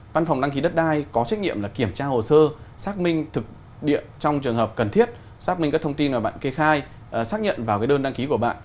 văn phòng đăng ký đất đai có trách nhiệm kiểm tra hồ sơ xác minh thực địa trong trường hợp cần thiết xác minh các thông tin mà bạn kê khai xác nhận vào đơn đăng ký của bạn